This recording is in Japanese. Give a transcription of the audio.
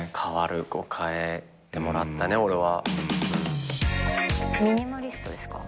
変えてもらったね俺は。